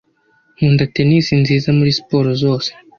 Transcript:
Nkunda tennis nziza muri siporo zose.